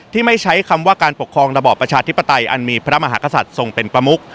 ไม่ใช้คำว่าการปกครองระบอบประชาธิปไตยอันมีพระมหากษัตริย์ทรงเป็นประมุก